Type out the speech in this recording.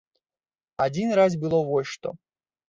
Адзін раз было вось што.